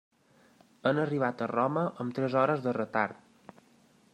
Han arribat a Roma amb tres hores de retard.